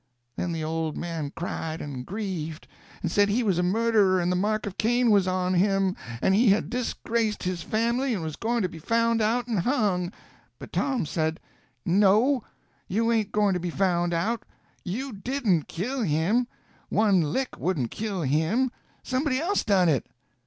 Then the old man cried and grieved, and said he was a murderer and the mark of Cain was on him, and he had disgraced his family and was going to be found out and hung. But Tom said: "No, you ain't going to be found out. You didn't kill him. One lick wouldn't kill him. Somebody else done it."